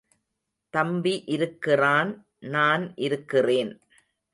– தம்பி இருக்கிறான் நான் இருக்கிறேன்!...